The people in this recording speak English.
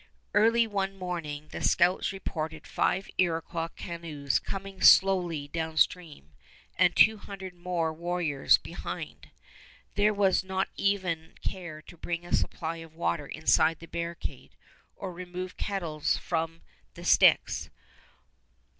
Early one morning the scouts reported five Iroquois canoes coming slowly downstream, and two hundred more warriors behind. There was not even care to bring a supply of water inside the barricade or remove kettles from the sticks.